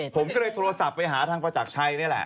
ผมก็เลยโทรศัพท์ไปหาทางประจักรชัยนี่แหละ